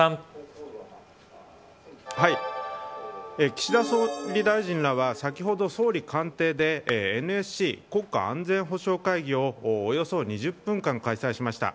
岸田総理大臣らは先ほど総理官邸でＮＳＣ国家安全保障会議をおよそ２０分間開催しました。